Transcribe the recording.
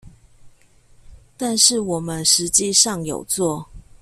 但是我們實際上有做